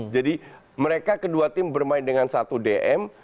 jadi mereka kedua tim bermain dengan satu dm